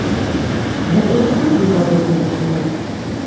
Гэта ўжо другі падобны дакумент.